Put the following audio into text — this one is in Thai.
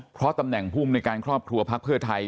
เพราะตำแหน่งภูมิในการครอบครัวพักเพื่อไทย